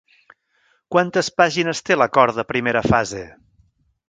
Quantes pàgines té l'acord de primera fase?